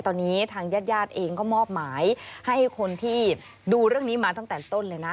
ตอนนี้ทางญาติญาติเองก็มอบหมายให้คนที่ดูเรื่องนี้มาตั้งแต่ต้นเลยนะ